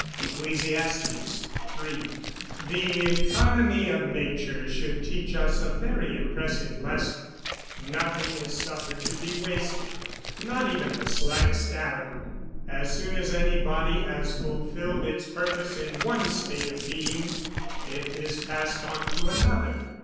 ECCLES. III.] The economy of nature should teach us a very impressive lesson nothing is suffered to be wasted, not even the slightest atom. As soon as any body has fulfilled its purpose in one state of being, it is passed on to another.